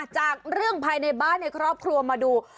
จากเรื่องภายในบ้านในครอบครัวมาดู